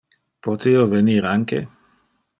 Pote io venir anque?